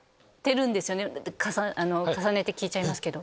重ねて聞いちゃいますけど。